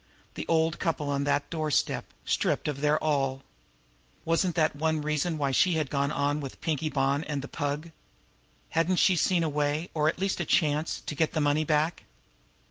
The old couple on that doorstep, stripped of their all! Wasn't that one reason why she had gone on with Pinkie Bonn and the Pug? Hadn't she seen a way, or at least a chance, to get that money back?